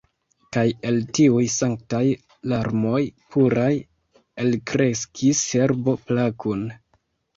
Kaj el tiuj sanktaj larmoj puraj elkreskis herbo plakun.